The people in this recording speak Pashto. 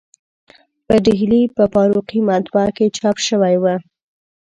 په ډهلي په فاروقي مطبعه کې چاپ شوی و.